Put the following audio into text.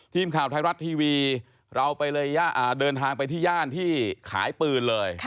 ทีมข่าวไทยรัฐทีวีเราไปเลยเดินทางไปที่ย่านที่ขายปืนเลย